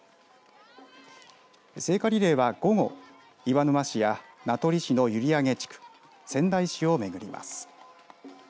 聖火リレーは、午後岩沼市や名取市の閖上地区仙台市を巡ります。